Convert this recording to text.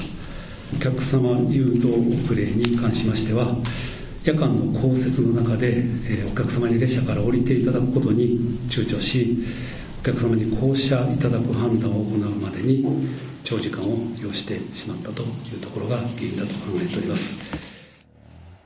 お客様誘導遅れに関しましては、夜間の降雪の中でお客様に列車から降りていただくことにちゅうちょし、お客様に降車いただく判断を行うまでに長時間を要してしまったというところが原因だと考えております。